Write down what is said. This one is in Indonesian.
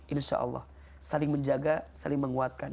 insya allah saling menjaga saling menguatkan